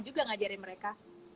juga ngajarin mereka